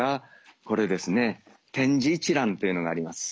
これですね点字一覧というのがあります。